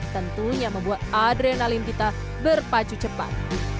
tentunya membuat adrenalin kita berpacu cepat